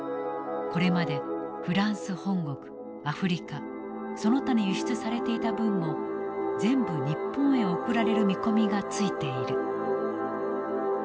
これまでフランス本国アフリカその他に輸出されていた分も全部日本へ送られる見込みがついている」。